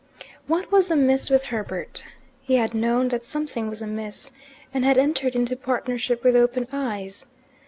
What was amiss with Herbert? He had known that something was amiss, and had entered into partnership with open eyes.